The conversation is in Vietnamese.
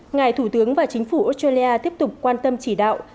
ngài thủ tướng và chính phủ australia tiếp tục quan tâm chỉ đạo